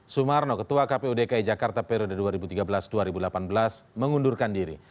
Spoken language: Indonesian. sumarno ketua kpu dki jakarta periode dua ribu tiga belas dua ribu delapan belas mengundurkan diri